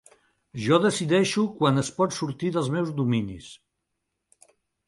Jo decideixo quan es pot sortir dels meus dominis.